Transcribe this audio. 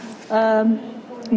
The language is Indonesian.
bisa terlihat barada richard eliza